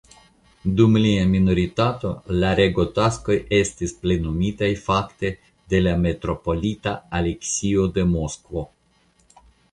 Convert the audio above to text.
Dum lia minoritato la regotaskoj estis plenumitaj fakte de la metropolita Aleksio de Moskvo.